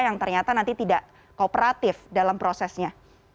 yang ternyata nanti tidak kooperatif dalam prosesnya